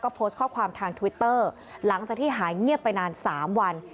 โพสต์ข้อความทางทวิตเตอร์หลังจากที่หายเงียบไปนาน๓วัน